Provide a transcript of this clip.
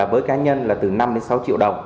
với cá nhân là từ năm sáu triệu đồng